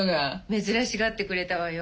珍しがってくれたわよ。